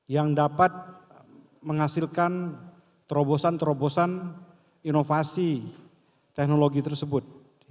yang dapat menghasilkan terobosan terobosan inovasi teknologi tersebut